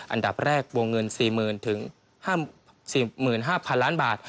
อันดับแรกวงเงิน๔๐๐๐๔๕๐๐๐ล้านบาท